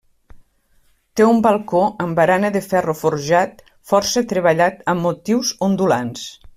Té un balcó amb barana de ferro forjat força treballat amb motius ondulants.